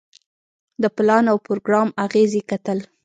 د پلان او پروګرام اغیزې کتل.